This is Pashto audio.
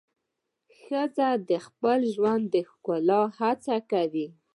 ښځه د خپل ژوند د ښکلا هڅه کوي.